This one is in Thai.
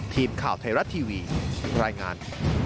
ทีมข่าวไทยรัฐทีวีรายงาน